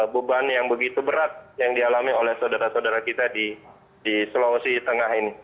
beban yang begitu berat yang dialami oleh saudara saudara kita di sulawesi tengah ini